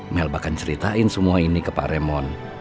mel bahkan ceritain semua ini ke pak remon